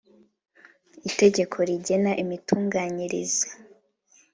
Itegeko rigena imitunganyirize